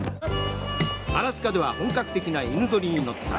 アラスカでは本格的な犬ぞりに乗った。